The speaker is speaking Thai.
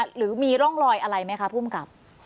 หรือมีร่องรอยอะไรไหมคะภูมิกับ